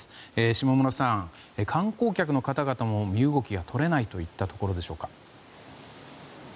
下村さん、観光客の方々も身動きが取れないといったところでしょうか。